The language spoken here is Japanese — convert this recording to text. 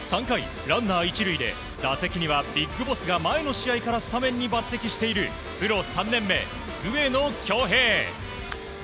３回、ランナー１塁で打席にはＢＩＧＢＯＳＳが前の試合からスタメンに抜擢しているプロ３年目、上野響平。